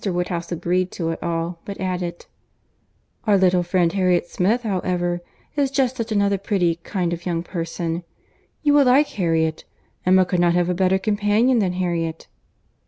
Woodhouse agreed to it all, but added, "Our little friend Harriet Smith, however, is just such another pretty kind of young person. You will like Harriet. Emma could not have a better companion than Harriet."